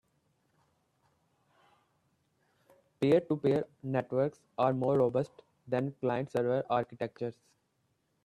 Peer-to-peer networks are more robust than client-server architectures.